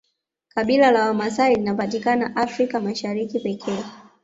kabila la wamasai linapatikana africa mashariki pekee